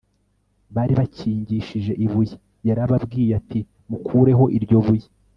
bari bakingishije ibuye Yarababwiye ati mukureho iryo buye